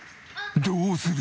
どうする！？